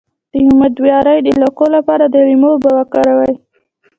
د امیدوارۍ د لکو لپاره د لیمو اوبه وکاروئ